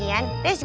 let's go kita masuk